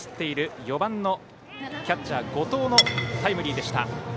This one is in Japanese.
４番キャッチャー、後藤のタイムリーでした。